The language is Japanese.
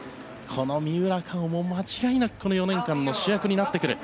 この三浦佳生も間違いなくこの４年間の主役になってくる。